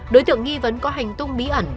đối tượng nghi vấn có hành tung bí ẩn